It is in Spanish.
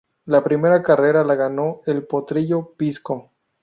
La primera carrera la ganó el potrillo Pisco.